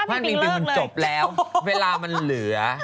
ฟ่านปิงปิงมันจบแล้วเวลามันเหลือ